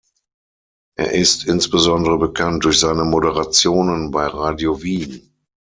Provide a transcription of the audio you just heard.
Er ist insbesondere bekannt durch seine Moderationen bei Radio Wien.